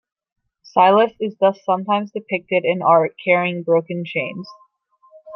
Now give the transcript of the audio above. Silas is thus sometimes depicted in art carrying broken chains.